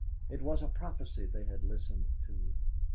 It was a prophecy they had listened to.